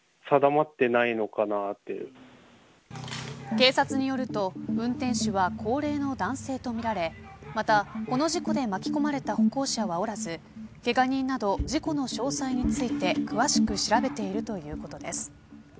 警察によると運転手は高齢の男性とみられまた、この事故で巻き込まれた歩行者はおらずけが人など事故の詳細について詳しく調べているということです。